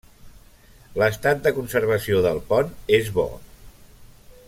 L'estat de conservació del pont és bo.